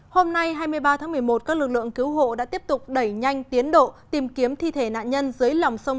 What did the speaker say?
hôm nay hai mươi ba tháng một mươi một các lực lượng cứu hộ đã tiếp tục đẩy nhanh tiến độ tìm kiếm thi thể nạn nhân dưới lòng sông